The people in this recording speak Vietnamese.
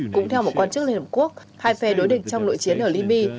cũng theo một quan chức liên hợp quốc hai phe đối địch trong nội chiến ở libya